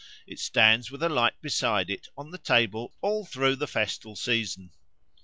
It stands with a light beside it on the table all through the festal season.